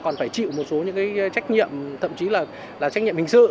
còn phải chịu một số những cái trách nhiệm thậm chí là trách nhiệm hình sự